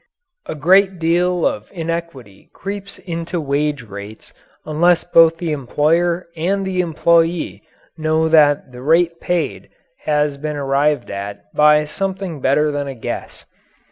A great deal of inequity creeps into wage rates unless both the employer and the employee know that the rate paid has been arrived at by something better than a guess.